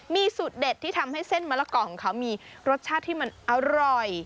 มีสูตรเด็ดที่ทำให้เส้นมะละกอของเขามีรสชาติที่มันอร่อย